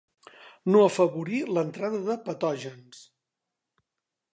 No afavorir l'entrada de patògens.